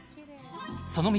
その道